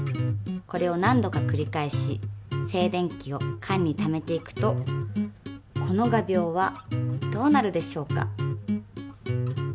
これを何度か繰り返し静電気を缶にためていくとこの画びょうはどうなるでしょうか？